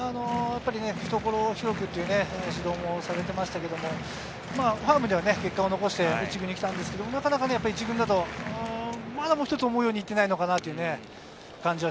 懐を広くという指導もされていましたけれど、ファームでは結果を残して１軍に来たんですけど、なかなか１軍だと思うようにいっていないのかなと。